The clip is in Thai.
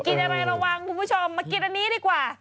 กินอะไรระวังคุณผู้ชมมากินอันนี้ดีกว่า